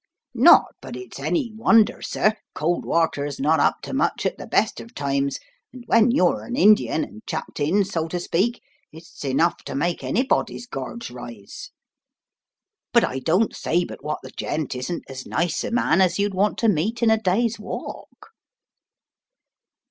Not but it's any wonder, sir, cold water's not up to much at the best of times, and when you're an Indian and chucked in, so to speak, it's enough to make anybody's gorge rise. But I don't say but what the gent isn't as nice a man as you'd want to meet in a day's walk."